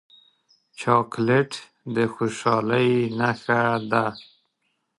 چاکلېټ د خوشحالۍ نښه ده.